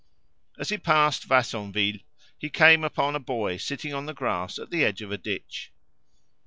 As he passed Vassonville he came upon a boy sitting on the grass at the edge of a ditch.